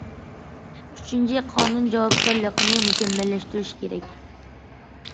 ئۈچىنچى، قانۇن جاۋابكارلىقىنى مۇكەممەللەشتۈرۈش كېرەك.